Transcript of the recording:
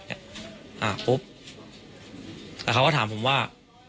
แล้วเขาก็ถามผมว่า